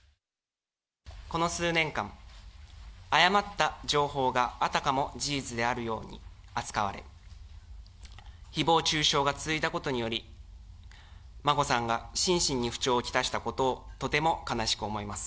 この数年間、誤った情報があたかも事実であるように扱われ、ひぼう中傷が続いたことにより、眞子さんが心身に不調を来したことをとても悲しく思います。